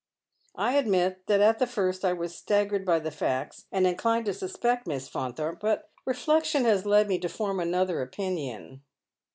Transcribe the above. " I admit that at the first I was staggered by the facts, and in clined to suspect Miss Faunthorpe ; but reflection has led me to foiTn another opinion."